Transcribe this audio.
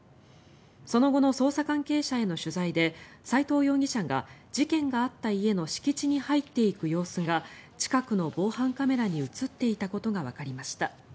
その後の捜査関係者への取材で斎藤容疑者が事件があった家の敷地に入っていく様子が近くの防犯カメラに映っていたことがわかりました。